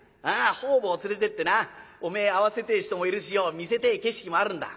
方々連れてってなおめえ会わせてえ人もいるしよ見せてえ景色もあるんだ。